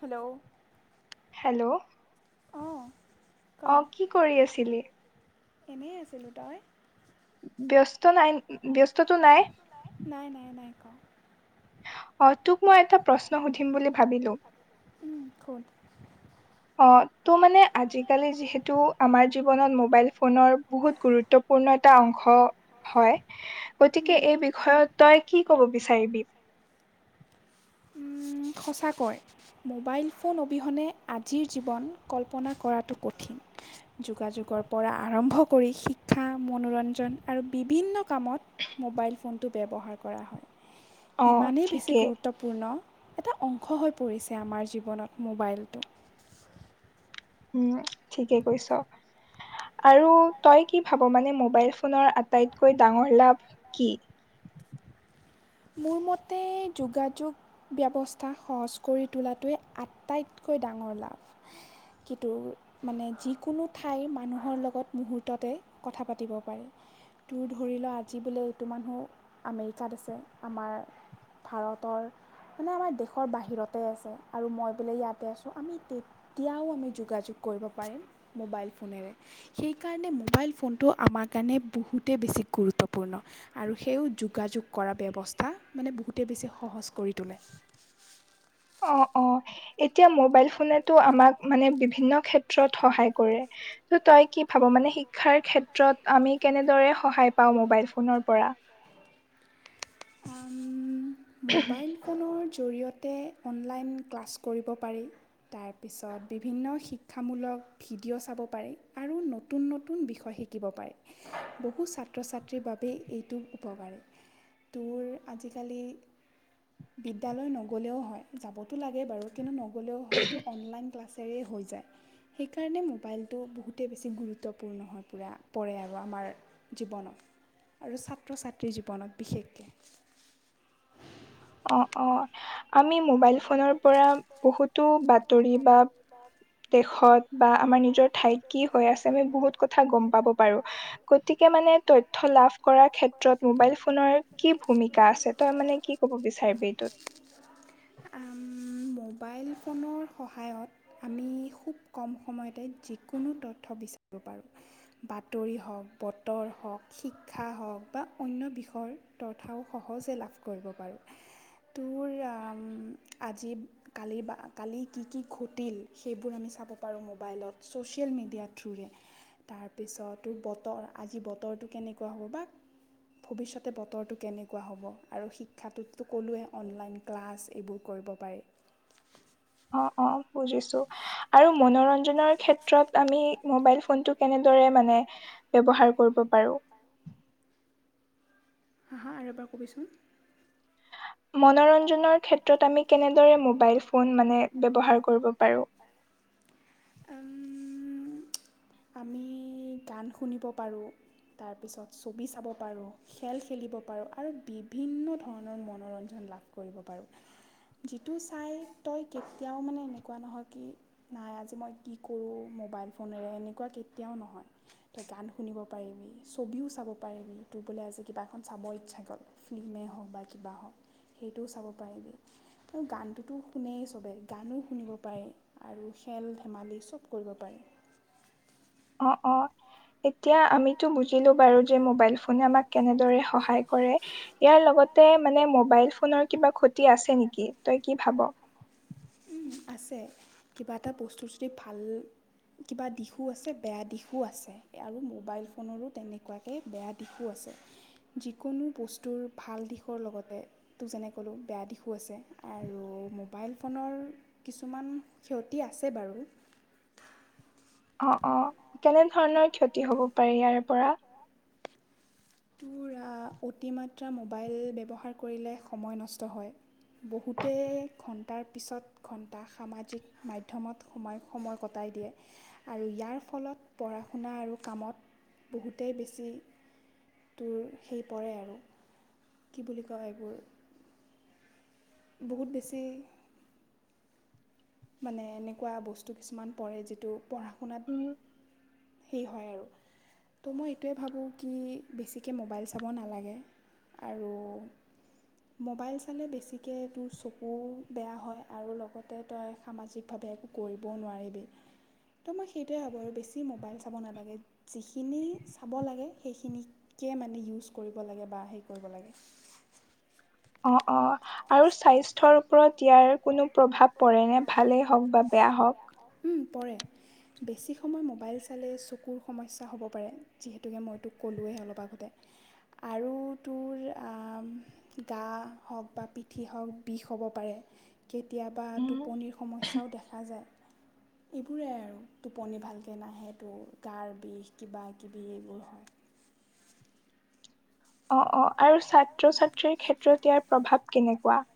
Hello. Hello. অঁহ। অ কি কৰি আছিলি? এনেই আছিলো, তই? ব্যস্ত নাই ব্যস্তটো নাই? নাই নাই নাই ক? অ তোক মই এটা প্ৰশ্ন সুধিম বুলি ভাবিলো। উম সুধ। অ ত' মানে আজিকালি যিহেতু আমাৰ জীৱনত মোবাইল ফোনৰ বহুত গুৰু ত্বপূৰ্ণ এটা অংশ হয়। গতিকে এই বিষয়ত তই কি কব বিচাৰিবি? উম সঁচাকৈ। মোবাইল ফোন অবিহনে আজিৰ জীৱন কল্পনা কৰাটো কঠিন। যোগাযোগৰ পৰা আৰম্ভ কৰি শিক্ষা মনোৰঞ্জন আৰু বিভিন্ন কামত। মোবাইল ফোনটো ব্যৱহাৰ কৰা হয়। ইমানেই বেছি গুৰুত্বপূৰ্ণ এটা অংশ হৈ পৰিছে আমাৰ জীৱনত মোবাইলটো। উম ঠিকে কৈছ। আৰু তই কি ভাব মানে মোবাইল ফোনৰ আটাইতকৈ ডাঙৰ লাভ কি? মোৰ মতে যোগাযোগ- ব্যৱস্থা সহজ কৰি তোলাটোৱে আটাইতকৈ ডাঙৰ লাভ। কিন্তু- মানে যিকোনো ঠাইৰ মানুহৰ লগত মুহূৰ্ততে কথা পাতিব পাৰে। তোৰ ধৰি ল আজি বোলে এইটো মানুহ আমেৰিকাত আছে আমাৰ- ভাৰতৰ। মানে আমাৰ দেশৰ বাহিৰতে আছে আৰু মই বোলে ইয়াতে আছোঁ আমি- এতিয়াও আমি যোগাযোগ কৰিব পাৰিম মোবাইল ফোনেৰে। সেইকাৰণে মোবাইল ফোনটো আমাৰ কাৰণে বহুতে বেছি গুৰুত্বপূৰ্ণ। আৰু সেইও যোগাযোগ কৰা ব্যৱস্থা মানে বহুতেই বেছি সহজ কৰি তোলে। অ অ এতিয়া মোবাইল ফোনেতো আমাক মানে বিভিন্ন ক্ষেত্ৰত সহায় কৰে। ত তই কি ভাব মানে শিক্ষাৰ ক্ষেত্ৰত আমি কেনেদৰে সহায় পাও মোবাইল ফোনৰ পৰা? মোবাইল ফোনৰ জৰিয়তে অনলাইন ক্লাছ কৰিব পাৰি। তাৰপিছত বিভিন্ন শিক্ষামূলক। ভিডিঅ' চাব পাৰে আৰু নতুন নতুন বিষয় শিকিব পাৰে। বহু ছাত্ৰ-ছাত্ৰীৰ বাবেই এইটো উপকাৰী। তোৰ আজিকালি বিদ্যালয় নগ'লেও হয়, যাবতো লাগে বাৰু, কিন্তু নগ'লেও হয় তোৰ অনলাইন ক্লাছ ৰে হৈ যায়। সেইকাৰণে মোবাইলটো বহুতেই বেছি গুৰুত্বপূৰ্ণ হৈ পুৰা পৰে আৰু আমাৰ। জীৱনত আৰু ছাত্ৰ-ছাত্ৰীৰ জীৱনত বিশেষকৈ। অ অ আমি মোবাইল ফোনৰ পৰা বহুতো বাতৰি বা দেশত বা আমাৰ নিজৰ ঠাইত কি হৈ আছে আমি বহুত কথা গম পাব পাৰো। গতিকে মানে তথ্য লাভ কৰাৰ ক্ষেত্ৰত মোবাইল ফোনৰ কি ভূমিকা আছে? তই মানে কি ক'ব বিচাৰিবি এইটোত? মোবাইল ফোনৰ সহায়ত আমি খুব কম সময়তে যিকোনো তথ্য বিচাৰিব পাৰোঁ। বাতৰি হওক, বতৰ হওক, শিক্ষা হওক বা অন্য বিষয়ৰ তথাও সহজে লাভ কৰিব পাৰোঁ। তোৰ আজি কালি বা কালি কি কি ঘটিল সেইবোৰ আমি চাব পাৰোঁ মোবাইলত ছ'চিয়েল মিডিয়া থ্ৰুৰে তাৰপিছতো বতৰ আজি বতৰটো কেনেকুৱা হ'ব বা ভৱিষ্যতে বতৰটো কেনেকুৱা হ'ব আৰু শিক্ষাটোতো ক'লোৱেই অনলাইন ক্লাছ এইবোৰ কৰিব পাৰি। অ অ বুজিছো আৰু মনোৰঞ্জনৰ ক্ষেত্ৰত আমি মোবাইল ফোনটো কেনেদৰে মানে ব্যৱহাৰ কৰিব পাৰো? হা? হা? আৰু এবাৰ ক'বিচোন। মনোৰঞ্জনৰ ক্ষেত্ৰত আমি কেনেদৰে মোবাইল ফোন মানে ব্যৱহাৰ কৰিব পাৰো? উম আমি গান শুনিব পাৰোঁ, তাৰপিছত ছবি চাব পাৰোঁ, খেল খেলিব পাৰোঁ আৰু বিভিন্ন ধৰণৰ মনোৰঞ্জন লাভ কৰিব পাৰোঁ। যিটো চাই তই কেতিয়াও মানে এনেকুৱা নহয় কি নাই আজি মই কি কৰোঁ মোবাইল ফোনেৰে এনেকুৱা কেতিয়াও নহয়। তই গান শুনিব পাৰিবি, ছবিও চাব পাৰিবি, তোৰ বোলে আজি কিবা এখন চাব ইচ্ছা গ'ল ফিল্মেই হওক বা কিবা হওক, সেইটোও চাব পাৰিবি। আৰু গানটোতো শুনে চবেই গানো শুনিব পাৰি। আৰু খেল-ধেমালি চব কৰিব পাৰি। অ অ। এতিয়া আমিতো বুজিলো বাৰু যে মোবাইল ফোনে আমাক কেনেদৰে সহায় কৰে। ইয়াৰ লগতে মানে মোবাইল ফোনৰ কিবা ক্ষতি আছে নেকি? তই কি ভাবো? উম আছে। কিবা এটা বস্তুৰ যদি ভাল কিবা দিশো আছে, বেয়া দিশো আছে। আৰু মোবাইল ফোনৰো তেনেকুৱা এক বেয়া দিশো আছে। যিকোনো বস্তুৰ ভাল দিশৰ লগতে তো যেনে ক'লোঁ বেয়া দিশো আছে আৰু মোবাইল ফোনৰ কিছুমান ক্ষতি আছে বাৰু। অ অ কেনে ধৰণৰ ক্ষতি হ'ব পাৰে ইয়াৰ পৰা? তোৰ অতিমাত্ৰা মোবাইল ব্যৱহাৰ কৰিলে সময় নষ্ট হয়, বহুতে ঘণ্টাৰ পিছত ঘণ্টা সামাজিক মাধ্যমত সোমাই সময় কটাই দিয়ে। আৰু ইয়াৰ ফলত পঢ়া শুনা আৰু কামত বহুতেই বেছি তোৰ সেই পৰে আৰু। কি বুলি কয় এইবোৰ বহুত বেছি মানে এনেকুৱা বস্তু কিছুমান পৰে যিটো পঢ়া শুনাত সেই হয় আৰু ত' মই এইটোৱে ভাবোঁ কি বেছিকৈ মোবাইল চাব নালাগে। আৰু মোবাইল চালে বেছিকে তোৰ চকু বেয়া হয় আৰু লগতে তই সামাজিকভাৱে একো কৰিবও নোৱাৰিবি তো মই সেইটোৱে ভাবোঁ আৰু বেছি মোবাইল চাব নালাগে যিখিনি চাব লাগে সেইখিনিকে কে মানে ইউজ কৰিব লাগে বা সেই কৰিব লাগে অ অ আৰু স্বাস্থ্যৰ ওপৰত ইয়াৰ কোনো প্ৰভাৱ পঢ়েনে ভালেই হওক বা বেয়া হওক ওম পৰে। বেছি সময় মোবাইল চালে চকুৰ সমস্যা হ'ব পাৰে যিহেতুকে মইতোক ক'লোৱে অলপ আগতে। আৰু তোৰ আ গা হওক বা পিঠি হওক বিষ হ'ব পাৰে। কেতিয়াবা টোপনিৰ সমস্যাও দেখা যায়। এইবোৰেই আৰু টোপনি ভালকে নাহে তো গাৰ বিষ কিবা কিবি এইবোৰ হয়। অ অ আৰু ছাত্ৰ ছাত্ৰীৰ ক্ষেত্ৰত ইয়াৰ প্ৰভাৱ কেনেকুৱা? [inaudible]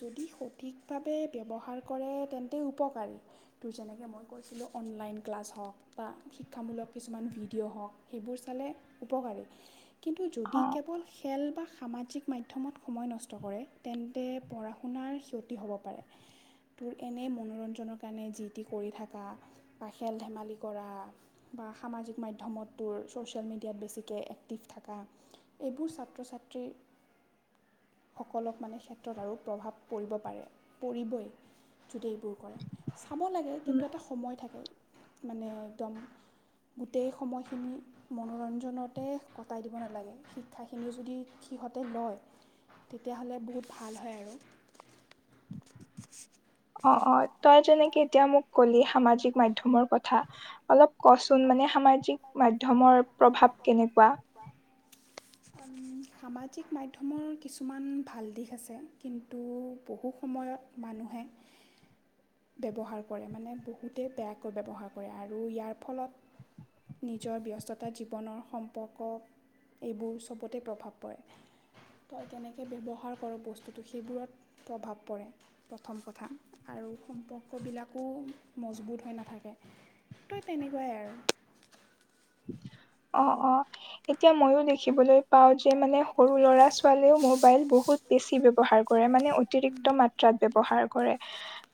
যদি সঠিকভাৱে ব্যৱহাৰ কৰে তেন্তে উপকাৰী। তোৰ যেনেকৈ মই কৈছিলোঁ অনলাইন ক্লাছ হওক বা শিক্ষামূলক কিছুমান ভিডিঅ' হওক সেইবোৰ ফালে উপকাৰী কিন্তু যদি কেৱল খেল বা সামাজিক মাধ্যমত সময় নষ্ট কৰে তেন্তে পঢ়া শুনাৰ ক্ষতি হ'ব পাৰে। তোৰ এনেই মনোৰঞ্জনৰ কাৰণে যি টি কৰি থাকা। বা খেল ধেমালি কৰা বা সামাজিক মাধ্যমততোৰ ছ'চিয়েল মিডিয়াত বেছিকে এক্টিভ থাকে এইবোৰ ছাত্ৰ ছাত্ৰীৰ সকলোক মানে ক্ষেত্ৰত আৰু প্ৰভাৱ পৰিব পাৰে পৰিবই যদি এইবোৰ কৰে চাব লাগে কিন্তু এটা সময় থাকে। মানে একদম গোটেই সময়খিনি মনোৰঞ্জনতে কটাই দিব নালাগে শিক্ষাখিনি যদি সিহঁতে লয় তেতিয়াহ'লে বহুত ভাল হয় আৰু [inaudible] অ অ তই যেনেকে এতিয়া মোক ক'লি সামাজিক মাধ্যমৰ কথা অলপ কচোন মানে সামাজিক মাধ্যমৰ প্ৰভাৱ কেনেকুৱা? [inaudible] সামাজিক মাধ্যমৰ কিছুমান ভাল দিশ আছে কিন্তু বহু সময়ত মানুহে ব্যৱহাৰ কৰে মানে বহুতেই বেয়াকৈ ব্যৱহাৰ কৰে আৰু ইয়াৰ ফলত নিজৰ ব্যস্ততা জীৱনৰ সম্পৰ্ক এইবোৰ চবতে প্ৰভাৱ পৰে তই কেনেকে ব্যৱহাৰ কৰ বস্তুটো সেইবোৰত প্ৰভাৱ পৰে প্ৰথম কথা আৰু সম্পৰ্কবিলাকো মজবুত হৈ নাথাকে তো তেনেকুৱাই আৰু অ অ এতিয়া মইও দেখিবলৈ পাও যে মানে সৰু ল'ৰা ছোৱালীয়েও মোবাইল বহুত বেছি ব্যৱহাৰ কৰে মানে অতিৰিক্ত মাত্ৰাত ব্যৱহাৰ কৰে।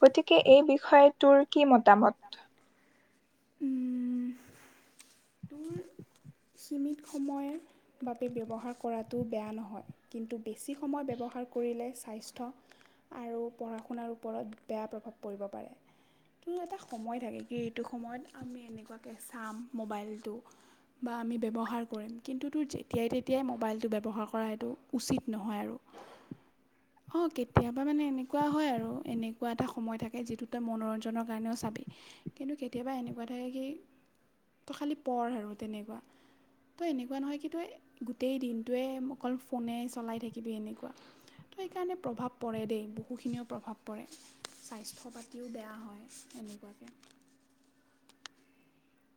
গতিকে এই বিষয়ে তোৰ কি মতামত? সীমিত সময়ৰ বাবে ব্যৱহাৰ কৰাটো বেয়া নহয়। কিন্তু, বেছি সময় ব্যৱহাৰ কৰিলে স্বাস্থ্য- আৰু পঢ়া শুনাৰ ওপৰত বেয়া প্ৰভাৱ পৰিব পাৰে। এইটো এটা সময় থাকে কি এইটো সময়ত আমি এনেকুৱাকে চাম মোবাইলটো। বা আমি ব্যৱহাৰ কৰিম কিন্তু, তোৰ যেতিয়াই তেতিয়াই মোবাইলটো ব্যৱহাৰ কৰা এইটো উচিত নহয় আৰু। [inaudible] অঁ কেতিয়াবা মানে এনেকুৱা হয় আৰু এনেকুৱা এটা সময় থাকে যিটো তই মনোৰঞ্জনৰ কাৰণেও চাবি। কিন্তু, কেতিয়াবা এনেকুৱা থাকে কি তয় খালি পঢ় আৰু তেনেকুৱা। তয় এনেকুৱা নহয় কি তই গোটেই দিনটোৱে অকল ফোনে চলাই থাকিবি এনেকুৱা। তো এইকাৰণে প্ৰভাৱ পৰে দেই, বহুখিনিও প্ৰভাৱ পৰে স্বাস্থ্য পাতিও বেয়া হয়। এনেকুৱাকে। [inaudible]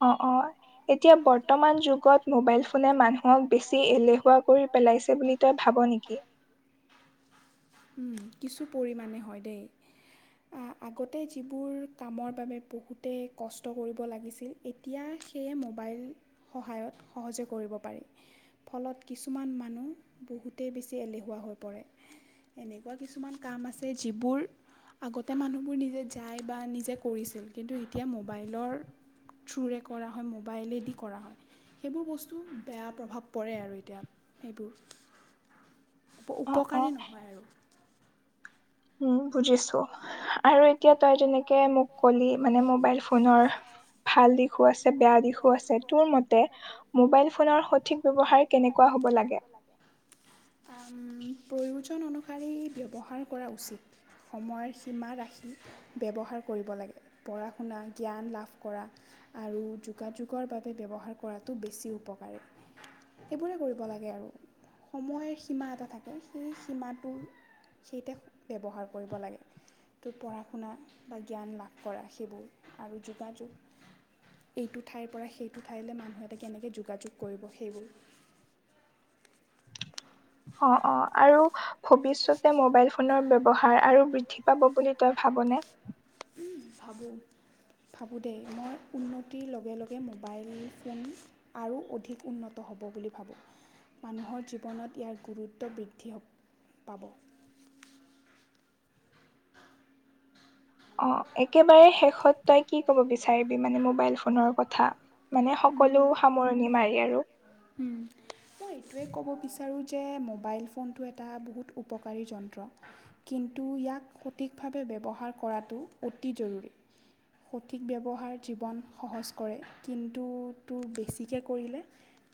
অঁ অঁ' এতিয়া বৰ্তমান যুগত মোবাইল ফোনে মানুহক বেছি এলেহুৱা কৰি পেলাইছে বুলি- তই ভাব নিকি। উম' কিছু পৰিমাণে হয় দেই। অঁ আগতে যিবোৰ কামৰ বাবে বহুতে কষ্ট কৰিব লাগিছিল এত- তিয়া সেই মোবাইল সহায়ত সহজে কৰিব পাৰি। ফলত কিছুমান মানুহ বহুতেই বেছি এলেহুৱা হৈ পৰে। এনেকুৱা কিছুমান কাম আছে যিবোৰ- আগতে মানুহবোৰ নিজে যায় বা নিজে কৰিছিল, কিন্তু এতিয়া মোবাইলৰ- থ্ৰুৰে কৰা হয় মোবাইলেদি কৰা হয়। সেইবোৰ বস্তু বেয়া প্ৰভাৱ পৰে আৰু এতিয়া সেইবোৰ। [inaudible] উপ উপকাৰী নহয় আৰু। উম' বুজিছো। আৰু এতিয়া তই যেনেকে মোক কলি মানে মোবাইল ফোনৰ ভাল দিশ- শো আছে বেয়া দিশো আছে তোৰ মতে মোবাইল ফোনৰ সঠিক ব্যৱহাৰ কেনেকুৱা হ'ব লাগে? [inaudible] আম প্ৰয়োজন অনুসাৰি ব্যৱহাৰ কৰা উচিত। সময় সীমা ৰাখি ব্যৱহাৰ কৰিব লাগে, পঢ়া শুনা জ্ঞান লাভ কৰা। আৰু যোগাযোগৰ বাবে ব্যৱহাৰ কৰাটো বেছি উপকাৰী। সেইবোৰে কৰিব লাগে আৰু সময় সীমা এটা থাকে সেই সীমাটো- সেইতে ব্যৱহাৰ কৰিব লাগে। তোত পঢ়া শুনা বা জ্ঞান লাভ কৰা সেইবোৰ আৰু যোগাযোগ- এইটো ঠাইৰ পৰা সেইটো ঠাইলে মানুহ এটা কেনেকে যোগাযোগ কৰিব সেইবোৰ। অঁ অঁ আৰু- ভৱিষ্যতে মোবাইল ফোনৰ ব্যৱহাৰ আৰু বৃদ্ধি পাব বুলি তই ভাবনে? উম' ভাবোঁ। ভাবোঁ দেই মই উন্নতিৰ লগে লগে মোবাইল ফোন- আৰু অধিক উন্নত হ'ব বুলি ভাবোঁ। মানুহৰ জীৱনত ইয়াৰ গুৰুত্ব বৃদ্ধি পাব। অঁ একেবাৰে শেষত তই কি ক'ব বিচ- চাৰিবি মানে মোবাইল ফোনৰ কথা মানে সকলো সামৰণি মাৰি আৰু। [inaudible] মই এইটোৱে ক'ব বিচাৰোঁ যে মোবাইল, ফোনটো এটা বহুত উপকাৰী যন্ত্ৰ। কিন্তু ইয়াক সঠিকভাৱে ব্যৱহাৰ কৰাটো অতি জৰুৰী। সঠিক ব্যৱহাৰ জীৱন সহজ কৰে কিন্তু তোৰ বেছিকৈ কৰিলে।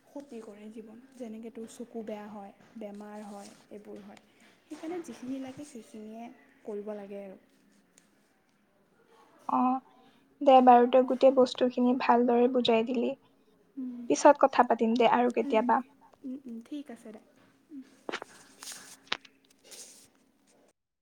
ক্ষয়তি কৰে জীৱন যেনেক তোৰ চকু, বেয়া হয় বেমাৰ হয় এইবোৰ হয়। সেইকাৰণে যিখিনি লাগে সেইখিনিয়ে কৰিব লাগে। আৰু অ দে বাৰু তই গোটেই বস্তু খিনি ভালদৰে বুজাই দিলি পিছত কথা পাতিম দে আৰু কেতিয়াবা। উম উম ঠিক আছে দে